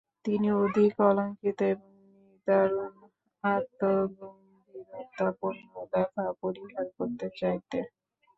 তিনি অধিক অলঙ্কৃত এবং নিদারুণ আত্মম্ভরিতাপূর্ণ লেখা পরিহার করতে চাইতে।